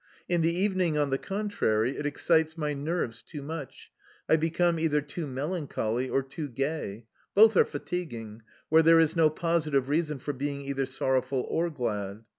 In the evening, on the contrary, it excites my nerves too much: I become either too melancholy or too gay. Both are fatiguing, where there is no positive reason for being either sorrowful or glad.